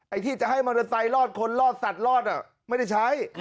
ที่จะให้มอเตอร์ไซค์รอดคนรอดสัตว์รอดไม่ได้ใช้